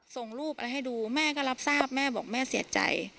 ส่งรูปอะไรให้ดูแม่ก็รับทราบแม่บอกแม่เสียใจ